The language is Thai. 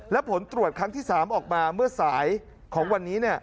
และผลตรวจครั้งที่๓ออกมาเมื่อสายของวันนี้